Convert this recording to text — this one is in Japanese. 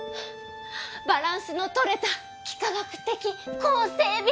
バランスのとれた幾何学的構成美！